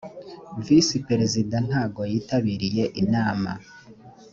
visi perezida ntago yitabiriye inama